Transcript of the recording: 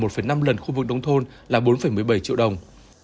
trong lần khu vực đông thôn là bốn một mươi bảy triệu đồng